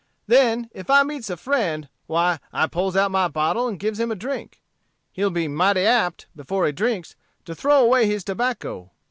Then, if I meets a friend, why, I pulls out my bottle and gives him a drink. He'll be mighty apt, before he drinks, to throw away his tobacco.